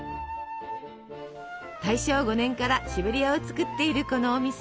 大正５年からシベリアを作っているこのお店。